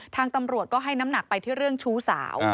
ทางตำรวจก็ให้น้ำหนักไปที่เรื่องชู้สาว